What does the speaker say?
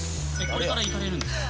これから行かれるんですか。